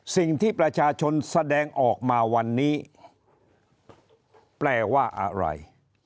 สิ่งที่ประชาชนแสดงออกมาวันนี้แปลว่าอะไร